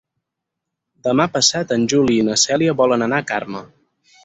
Demà passat en Juli i na Cèlia volen anar a Carme.